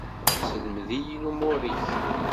Sselmed-iyi lumuṛ-ik!